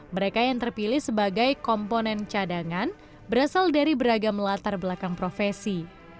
mereka yang terpilih sebagai komponen cadangan berasal dari beragam latar belakang profesi